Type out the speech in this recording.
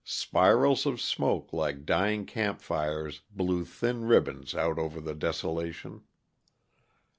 Spirals of smoke, like dying camp fires, blew thin ribbons out over the desolation.